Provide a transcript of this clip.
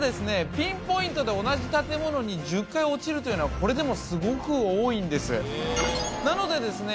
ピンポイントで同じ建物に１０回落ちるというのはこれでもすごく多いんですなのでですね